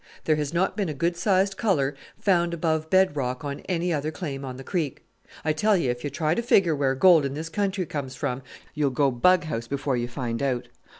There has not been a good sized colour found above bed rock on any other claim on the creek. I tell you if you try to figure where gold in this country comes from, you'll go bughouse before you find out.